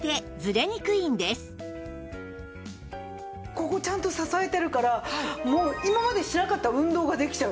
ここちゃんと支えてるからもう今までしなかった運動ができちゃう。